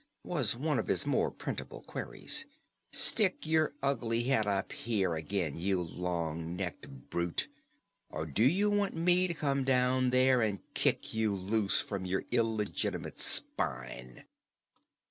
was one of his more printable queries. "Stick your ugly head up here again, you long necked brute or do you want me to come down there and kick you loose from your illegitimate spine?"